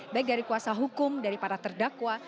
baik dari kuasa hukum dari para terdakwa